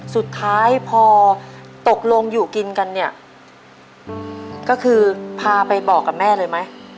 สุดท้ายพอตกลงอยู่กินกันเนี่ยก็คือพาไปบอกกับแม่เลยไหม